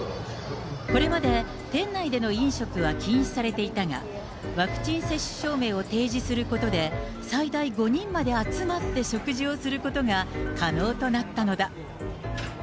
これまで店内での飲食は禁止されていたが、ワクチン接種証明を提示することで、最大５人まで集まって食事をすることが可能となったのだ。